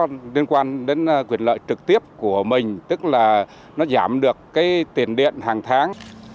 nó liên quan đến quyền lợi trực tiếp của mình tức là nó giảm được cái tiền điện hàng tháng